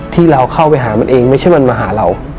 ที่เราเข้าไปหามันเองไม่ใช่มันมาหาเรา